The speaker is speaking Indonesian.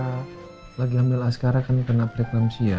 kamu lagi ambil askara kami pernah pereklampsia